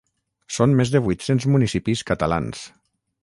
Són més de vuit-cents municipis catalans.